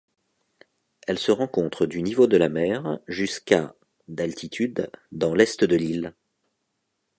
Elle se rencontre du niveau de la mer jusqu'à d'altitude dans l'est de l'île.